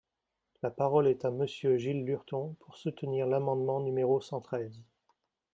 La parole est à Monsieur Gilles Lurton, pour soutenir l’amendement numéro cent treize.